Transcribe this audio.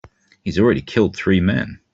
He's already killed three men.